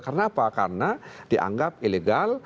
karena apa karena dianggap ilegal